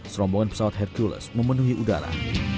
serombongan pesawat hercules memenuhi udara